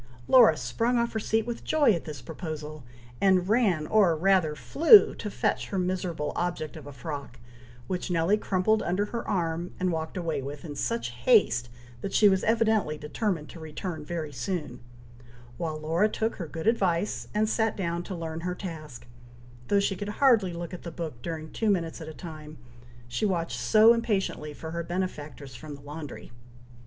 Laura sprung off her seat with joy at this proposal, and ran or rather flew to fetch her miserable object of a frock, which Nelly crumpled under her arm, and walked away with, in such haste that she was evidently determined to return very soon; while Laura took her good advice, and sat down to learn her task, though she could hardly look at the book during two minutes at a time she watched so impatiently for her benefactress from the laundry.